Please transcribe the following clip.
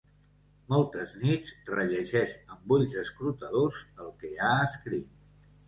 Moltes nits rellegeix amb ulls escrutadors el que ha escrit.